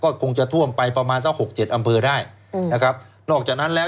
ก็คงจะท่วมไปประมาณสักหกเจ็ดอำเภอได้อืมนะครับนอกจากนั้นแล้ว